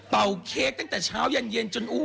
เป่าเค้กตั้งแต่เช้ายานเย็นจน